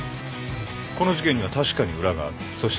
この事件には確かに裏がある。